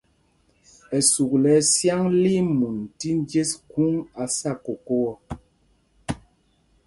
Ɛsûk lɛ ɛsyǎŋ li í mun tí njes khûŋ á sá kokō ɔ.